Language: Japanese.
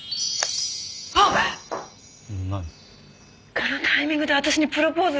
このタイミングで私にプロポーズ！？